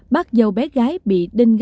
bác dâu bé gái bị đinh găm lên đường